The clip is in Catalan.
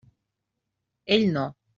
Ell no.